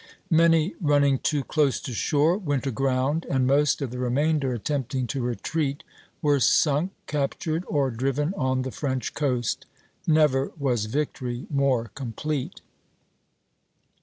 Many running too close to shore went aground, and most of the remainder attempting to retreat were sunk, captured, or driven on the French coast. Never was victory more complete."